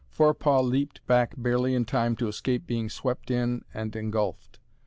Forepaugh leaped back barely in time to escape being swept in and engulfed.